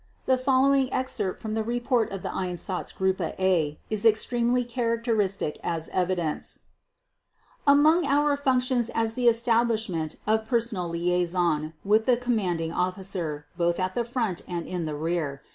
The following excerpt from the report of Einsatzgruppe "A" is extremely characteristic as evidence: "... among our functions as the establishment of personal liaison with the commanding officer both at the front and in the rear.